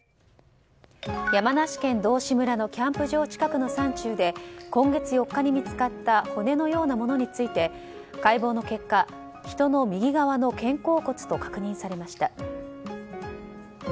山梨県道志村のキャンプ場近くの山中で今月４日に見つかった骨のようなものについて解剖の結果、人の右側の肩甲骨と確認されました。